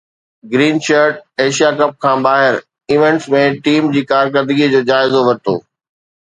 green shirts Asia cup کان ٻاهر events ۾ team جي ڪارڪردگي جو جائزو ورتو